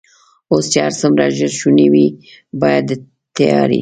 اوس چې هر څومره ژر شونې وي، باید د تیارې.